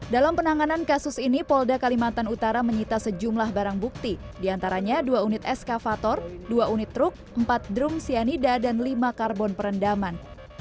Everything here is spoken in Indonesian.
dalam penanganan kasus ini polda kalimantan utara menyita sejumlah barang bukti diantaranya dua unit eskavator dua unit truk empat drum cyanida dan lima karbon perendaman